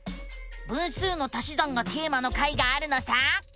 「分数の足し算」がテーマの回があるのさ！